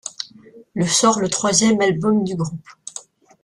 Le sort le troisième album du groupe, '.